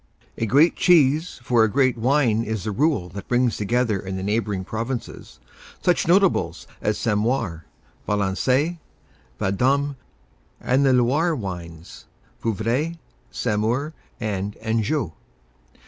A great cheese for a great wine is the rule that brings together in the neighboring provinces such notables as Sainte Maure, Valençay, Vendôme and the Loire wines Vouvray, Saumur and Anjou.